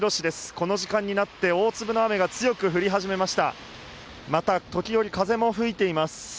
この時間になって大粒の雨が強く降り始めました。